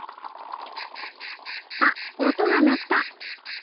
あっおとがなった！